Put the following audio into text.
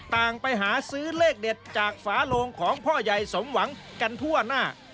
ต่างไปหาซื้อเลขเด็ดจากฝาโลงของพ่อใหญ่สมหวังกันทั่วหน้า